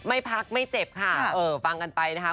ไม่พักไม่เจ็บค่ะฟังกันไปนะคะ